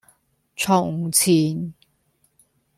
從前